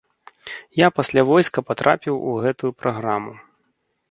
Я пасля войска патрапіў у гэтую праграму.